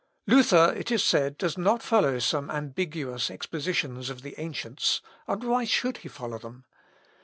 "Luther," it is said, "does not follow some ambiguous expositions of the ancients, and why should he follow them?